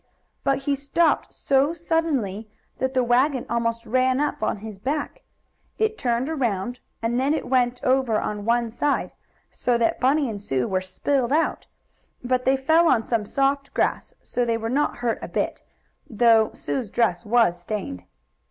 But he stopped so suddenly that the wagon almost ran up on his back. It turned around, and then it went over on one side, so that Bunny and Sue were spilled out. But they fell on some soft grass, so they were not hurt a bit, though Sue's dress was stained.